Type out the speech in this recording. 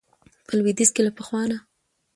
په لويديځ کې له پخوا نه